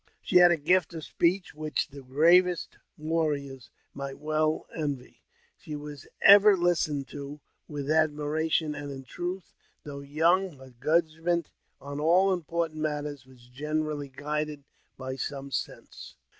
She had a gift of speech which the bravest warriors might well envy ; she was ever listened to with admiration, and in truth, though young, her judgment on all important matters was generally guided by sound sense.